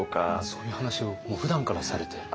そういう話をふだんからされてる？